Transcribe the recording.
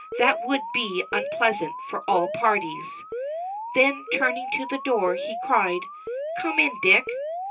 That would be unpleasant for all parties." Then, turning to the door, he cried: "Come in, Dick!"